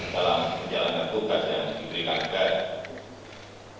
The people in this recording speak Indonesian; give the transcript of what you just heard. dalam menjalankan tugas yang diberikan